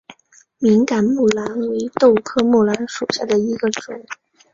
敏感木蓝为豆科木蓝属下的一个种。